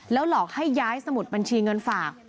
หลอกให้ย้ายสมุดบัญชีเงินฝาก